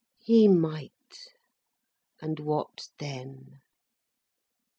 He might! And what then?